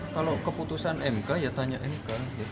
kalau keputusan mk ya tanya mk